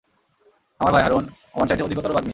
আমার ভাই হারুন আমার চাইতে অধিকতর বাগ্মী।